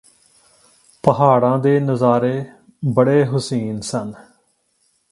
ਪਹਾੜਾਂ ਦੇ ਨਜ਼ਾਰੇ ਬੜੇ ਹੁਸੀਨ ਸਨ